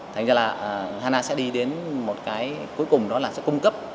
thành ra là hana sẽ đi đến một cái cuối cùng đó là sẽ cung cấp